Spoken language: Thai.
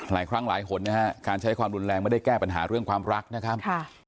หลายครั้งหลายหนนะฮะการใช้ความรุนแรงไม่ได้แก้ปัญหาเรื่องความรักนะครับ